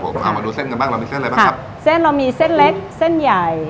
ผมเอามาดูเส้นกันบ้างเรามีเส้นอะไรบ้างครับเส้นเรามีเส้นเล็กเส้นใหญ่